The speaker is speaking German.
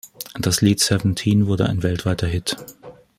Das Lied "Seventeen" wurde ein weltweiter Hit.